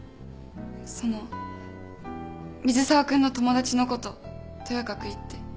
その水沢君の友達のこととやかく言って。